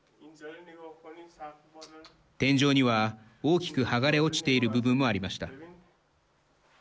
天井には、大きく剥がれ落ちている部分もありました。